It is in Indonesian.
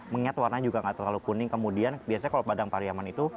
mengingat warna juga enggak terlalu kuning kemudian biasanya kalau padang pariyaman itu